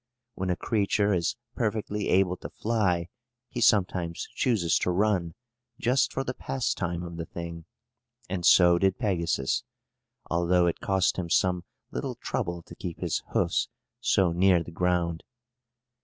When a creature is perfectly able to fly, he sometimes chooses to run, just for the pastime of the thing; and so did Pegasus, although it cost him some little trouble to keep his hoofs so near the ground.